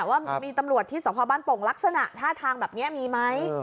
ว่ามีตำรวจที่สพบ้านโป่งลักษณะท่าทางแบบนี้มีไหม